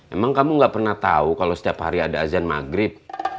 emang kamu gak pernah tahu kalau setiap hari ada azan maghrib